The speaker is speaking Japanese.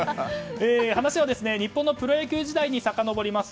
話は日本のプロ野球時代にさかのぼります。